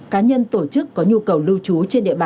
cá nhân tổ chức có nhu cầu lưu trú trên địa bàn